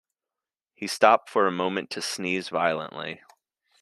He stopped for a moment to sneeze violently.